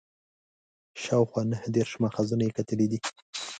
شاوخوا نهه دېرش ماخذونه یې کتلي دي.